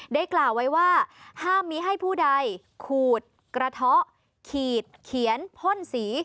ได้กล่าวไว้ว่าห้ามมีให้ผู้ใดขูดกระเทาะขีดเขียนพ่นสี